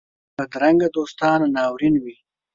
بدرنګه دوستان ناورین وي